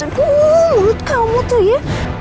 menurut kamu tuh ya